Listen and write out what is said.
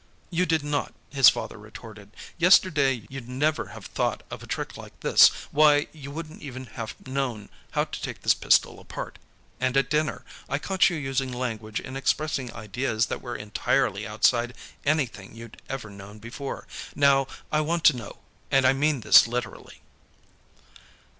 "You did not," his father retorted. "Yesterday you'd never have thought of a trick like this; why, you wouldn't even have known how to take this pistol apart. And at dinner, I caught you using language and expressing ideas that were entirely outside anything you'd ever known before. Now, I want to know and I mean this literally."